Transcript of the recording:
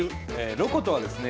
「ロコ」とはですね